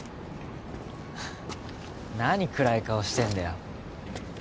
何暗い顔してんだよ